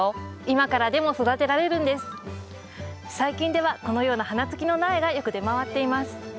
最近ではこのような花つきの苗がよく出回っています。